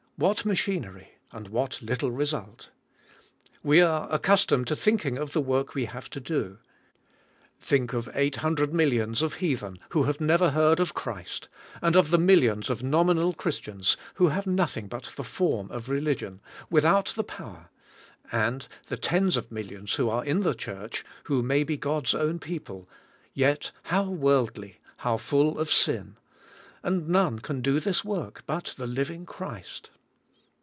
What machinery and what little result. We are ac customed to thinking of the work we have to do. Think of 800 millions of heathen who have never heard of Christ, and of the millions of nominal Christians who have nothing but the form of re lig ion, without the power, and the tens of millions who are in the church, who may be God's own peo ple, yet how worldly, how full of sin, and none can do this work but the living Christ.